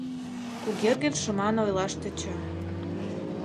— Кугергин шыман ойлаш тӧча.